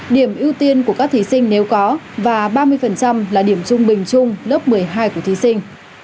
điểm ưu tiên của các thí sinh nếu có và ba mươi là điểm trung bình chung lớp một mươi hai của thí sinh